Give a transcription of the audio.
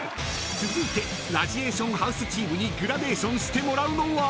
［続いてラジエーションハウスチームにグラデーションしてもらうのは］